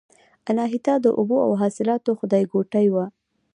اناهیتا د اوبو او حاصلاتو خدایګوټې وه